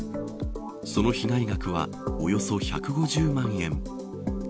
その被害額はおよそ１５０万円。